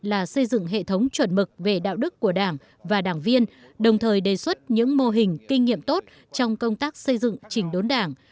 là xây dựng hệ thống chuẩn mực về đạo đức của đảng và đảng viên đồng thời đề xuất những mô hình kinh nghiệm tốt trong công tác xây dựng chỉnh đốn đảng